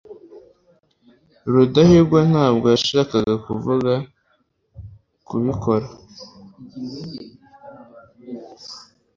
rudahigwa ntabwo yashakaga kuvuga kubikora